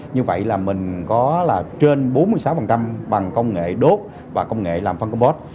như vậy là mình có là trên bốn mươi sáu bằng công nghệ đốt và công nghệ làm phân công bố